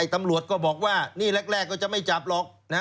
ตำรวจก็บอกว่านี่แรกก็จะไม่จับหรอก